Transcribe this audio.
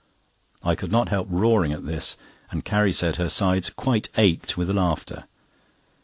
I could not help roaring at this, and Carrie said her sides quite ached with laughter.